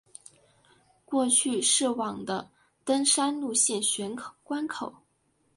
过去是往的登山路线玄关口。